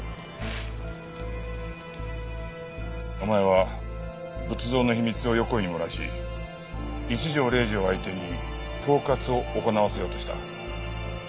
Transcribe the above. お前は仏像の秘密を横井に漏らし一条礼司を相手に恐喝を行わせようとした。